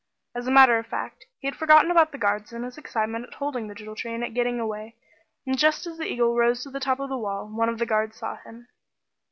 As a matter of fact he had forgotten about the guards in his excitement at holding the Jewel Tree and at getting away, and just as the eagle rose to the top of the wall, one of the guards saw him.